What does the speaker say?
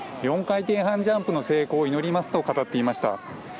４回転半ジャンプの成功を祈りますと語っていました。